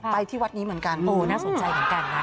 ที่วัดนี้เหมือนกันโอ้น่าสนใจเหมือนกันนะ